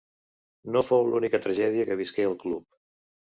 No fou l'única tragèdia que visqué el club.